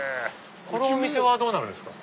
このお店はどうなるんですか？